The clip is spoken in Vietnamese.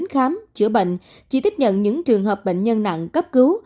khám chữa bệnh chỉ tiếp nhận những trường hợp bệnh nhân nặng cấp cứu